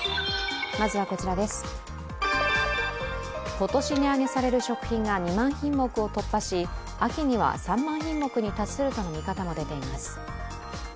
今年値上げされる食品が２万品目を突破し秋には３万品目に達するとの見方も出ています。